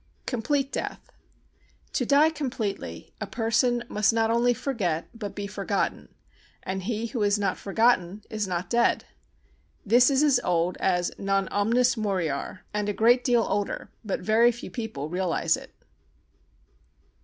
Complete Death To die completely, a person must not only forget but be forgotten, and he who is not forgotten is not dead. This is as old as non omnis moriar and a great deal older, but very few people realise it.